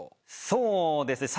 そうですね。